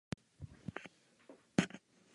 Patří pod město Budyně nad Ohří.